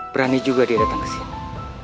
berani juga dia datang kesini